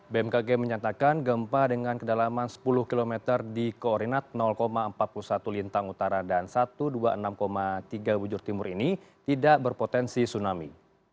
bmkg menyatakan gempa dengan kedalaman sepuluh km di koordinat empat puluh satu lintang utara dan satu ratus dua puluh enam tiga bujur timur ini tidak berpotensi tsunami